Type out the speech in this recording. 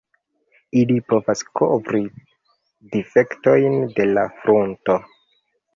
Ili povas kovri difektojn de la frunto.